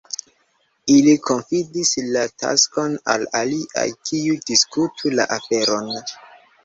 Ili konfidis la taskon al aliaj, kiuj diskutu la aferon.